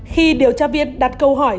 khi điều tra viên đặt câu hỏi